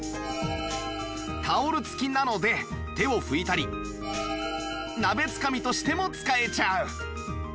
タオル付きなので手を拭いたり鍋つかみとしても使えちゃう